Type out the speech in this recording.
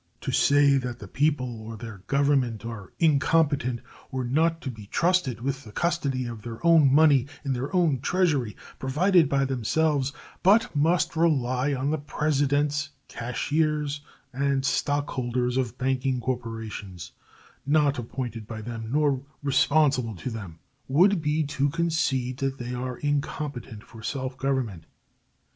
To say that the people or their Government are incompetent or not to be trusted with the custody of their own money in their own Treasury, provided by themselves, but must rely on the presidents, cashiers, and stockholders of banking corporations, not appointed by them nor responsible to them, would be to concede that they are incompetent for self government.